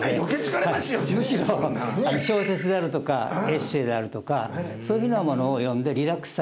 はいむしろ小説であるとかエッセイであるとかそういうふうなものを読んでリラックスされるということが